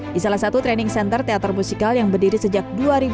di salah satu training center teater musikal yang berdiri sejak dua ribu